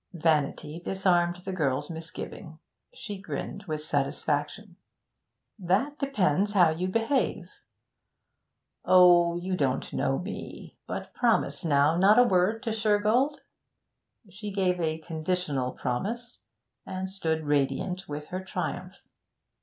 Vanity disarmed the girl's misgiving. She grinned with satisfaction. 'That depends how you behave.' 'Oh, you don't know me. But promise, now; not a word to Shergold.' She gave a conditional promise, and stood radiant with her triumph.